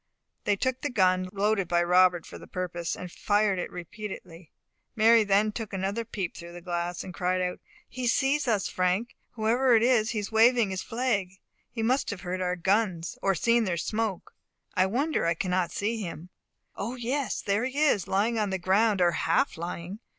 They took the gun, loaded by Robert for the purpose, and fired it repeatedly. Mary then took another peep through the glass, and cried out "He sees us, Frank, whoever it is; he is waving his flag. He must have heard our guns, or seen their smoke. I wonder I cannot see him. O, yes, there he is, lying on the ground, or half lying.